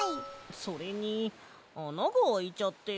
それにあながあいちゃってる。